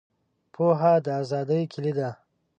پوهه د آزادۍ کیلي ده.